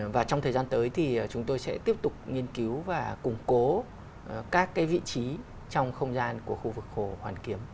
và trong thời gian tới thì chúng tôi sẽ tiếp tục nghiên cứu và củng cố các vị trí trong không gian của khu vực hồ hoàn kiếm